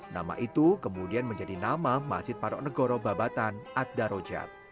nama itu kemudian menjadi nama masjid patok negoro babatan adaro jad